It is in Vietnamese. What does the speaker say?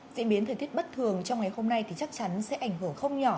diễn biến thời tiết bất thường trong ngày hôm nay thì chắc chắn sẽ ảnh hưởng không nhỏ